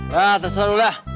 hah terserah lo dah